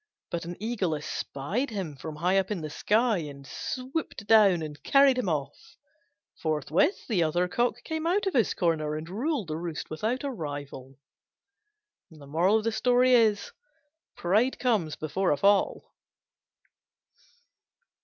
But an Eagle espied him from high up in the sky, and swooped down and carried him off. Forthwith the other Cock came out of his corner and ruled the roost without a rival. Pride comes before a fall.